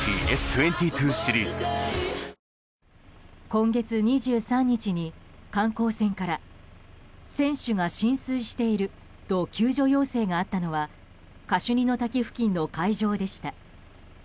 今月２３日に観光船から船首が浸水していると救助要請があったのはカシュニの滝付近の海上でした。